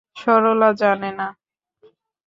সরলা জানে না?